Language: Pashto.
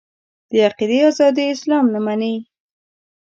د عقیدې ازادي اسلام نه مني.